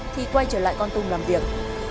thì quay trở lại co tùm làm việc